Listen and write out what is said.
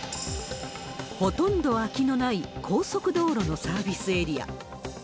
ほとんど空きのない高速道路のサービスエリア。